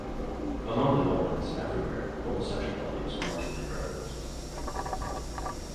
Among the Normans, everywhere, homosexuality was markedly prevalent.